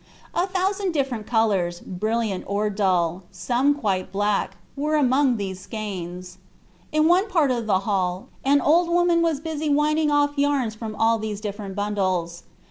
A thousand different colors, brilliant or dull, some quite black, were among these skeins. In one part of the hall an old woman was busy winding off yarns from all these different bundles.